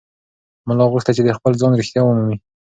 ملا غوښتل چې د خپل ځان رښتیا ومومي.